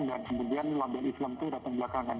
dan kemudian label islam itu datang di belakang